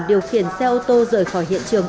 điều khiển xe ô tô rời khỏi hiện trường